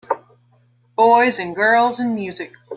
Boys and girls and music.